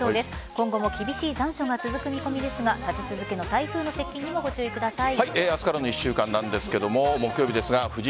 今後も厳しい残暑が続く見込みですが立て続けの台風の接近にもご注意ください。